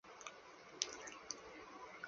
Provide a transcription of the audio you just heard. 南宋属两浙东路。